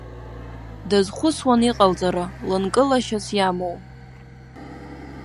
Дазхәыцуан иҟалҵара, лынкылашьас иамоу.